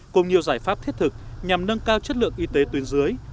cùng nhiều giải pháp thiết thực nhằm nâng cao chất lượng y tế tuyến dưới